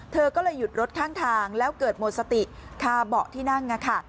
เธอก็เลยหยุดรถทางแล้วเกิดโหมดสติคาเหส่เบาะที่นั่ง